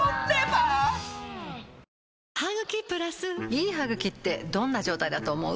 いい歯ぐきってどんな状態だと思う？